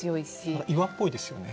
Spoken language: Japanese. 岩っぽいですよね。